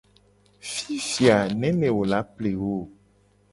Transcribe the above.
Fifi a nene wo la ple wo o.